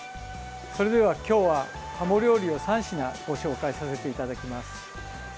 それでは、今日はハモ料理を３品ご紹介させていただきます。